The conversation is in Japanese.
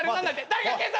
誰か警察！